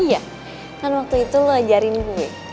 iya kan waktu itu lo ajarin gue